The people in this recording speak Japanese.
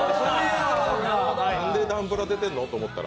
なんで男ブラ出てんのと思ったら。